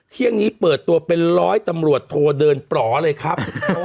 เที่ยงนี้เปิดตัวเป็นร้อยตำรวจโทเดินปลอเลยครับ